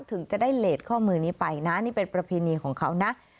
ถึงจะได้เลสข้อมือนี้ไปนะนี่เป็นประเพณีของเขานะ